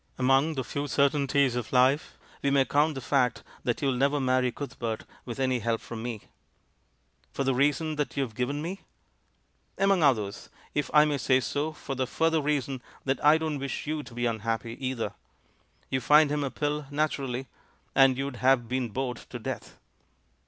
Among the few certain ties of life we may count the fact that you'll never marry Cuthbert with any help from me." "For the reason that you've given me?" "Among others. If I may say so, for the fur THE FAVOURITE PLOT 275 ther reason that I don't wish you to be unhappy, either. You find him a pill, naturally, and you'd have been bored to death."